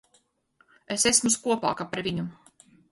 Es esmu skopāka par viņu.